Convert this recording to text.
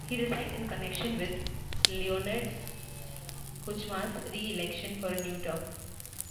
He resigned in connection with Leonid Kuchma's re-election for a new term.